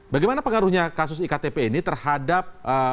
bagaimana pengaruhnya kasus iktp ini terhadap